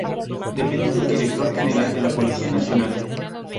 Depende del director general de la Policía nacional.